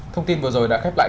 thông tin vừa rồi đã khép lại